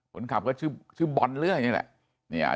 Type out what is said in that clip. คนขับเขาชื่อบอลเลยนี่แหละ